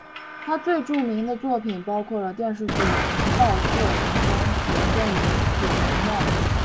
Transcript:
他最著名的作品包括了电视剧倒错人生和电影血红帽等。